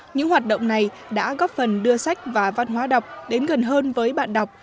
những hoạt động này đã góp phần đưa sách và văn hóa đọc đến gần hơn với bạn đọc